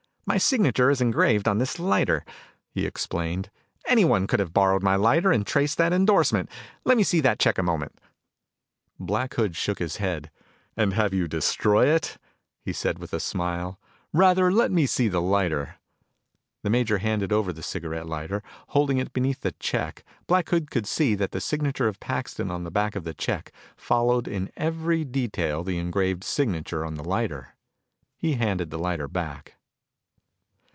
"My signature is engraved on this lighter," he explained. "Anyone could have borrowed my lighter and traced that endorsement. Let me see the check a moment." Black Hood shook his head. "And have you destroy it?" he said with a smile. "Rather, let me see the lighter." The major handed over the cigarette lighter. Holding it beneath the check, Black Hood could see that the signature of Paxton on the back of the check followed in every detail the engraved signature on the lighter. He handed the lighter back.